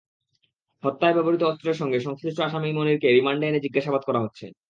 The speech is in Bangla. হত্যায় ব্যবহৃত অস্ত্রের সঙ্গে সংশ্লিষ্ট আসামি মনিরকে রিমান্ডে এনে জিজ্ঞাসাবাদ করা হচ্ছে।